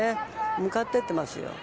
向かってってますよ。